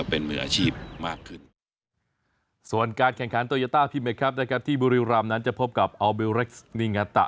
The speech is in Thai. ตอนนั้นจะพบกับอัลบิวเร็กซ์นิงัตตะ